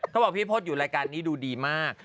เขาบอกพี่พศอยู่รายการนี้ดูดีมาก